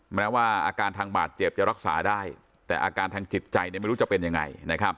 แม้ว่าอาการทางบาดเจ็บจะรักษาได้แต่อาการทางจิตใจไม่รู้จะเป็นยังไง